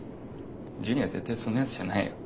ジュニは絶対そんなやつじゃないよ。